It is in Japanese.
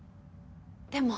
でも。